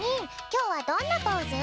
きょうはどんなポーズ？